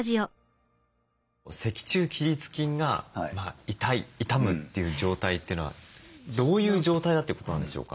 脊柱起立筋が痛い痛むという状態というのはどういう状態だということなんでしょうか？